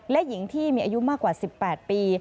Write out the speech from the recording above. และหญิงที่มีอายุมากกว่า๑๘ปี